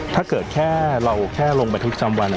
ถ้าเกิดเราแค่ลงไปทุกจำวัน